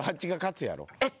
えっ？